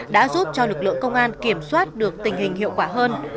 đã giúp cho lực lượng công an kiểm soát được tình hình hiệu quả hơn